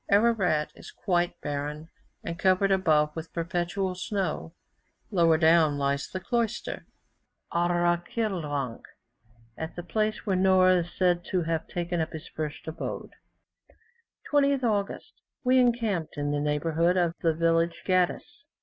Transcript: Ararat is quite barren, and covered above with perpetual snow; lower down lies the cloister, Arakilvank, at the place where Noah is said to have taken up his first abode. 20th August. We encamped in the neighbourhood of the village Gadis.